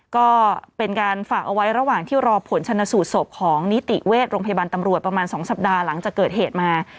ก็เป็นการฝากเอาไว้ระหว่างที่รอผลชนสูตรศพของนิติเวชโรงพยาบาลตำรวจประมาณ๒สัปดาห์หลังจากเกิดเหตุมา